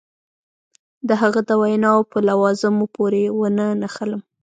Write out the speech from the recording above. د هغه د ویناوو په لوازمو پورې ونه نښلم.